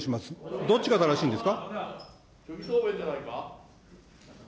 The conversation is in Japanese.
どっちが正しいんですか。